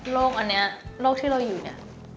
โลกอันเนี่ย